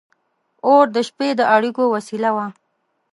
• اور د شپې د اړیکو وسیله وه.